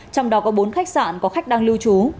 trong đó có bốn khách sạn có khách đang lưu trú